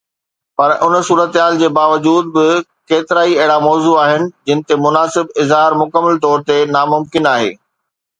پر ان صورتحال جي باوجود به ڪيترائي اهڙا موضوع آهن جن تي مناسب اظهار مڪمل طور تي ناممڪن آهي.